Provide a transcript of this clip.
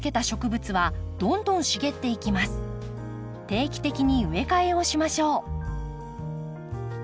定期的に植え替えをしましょう。